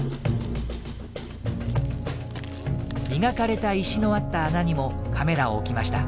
磨かれた石のあった穴にもカメラを置きました。